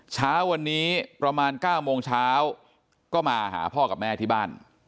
เช้าวันนี้ประมาณ๙โมงเช้าก็มาหาพ่อกับแม่ที่บ้าน